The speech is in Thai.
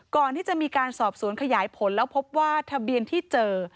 ก่อนที่จะมีการสอบสวนขยายผลแล้วพบว่าทะเบียนที่เจอ